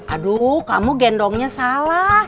aduh kamu gendongnya salah